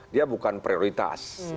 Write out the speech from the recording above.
dia bukan prioritas